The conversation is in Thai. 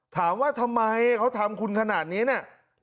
ถามว่าทำไมเขาทำคุณขนาดนี้เนี่ย